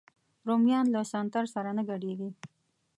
رومیان له سنتر سره نه ګډېږي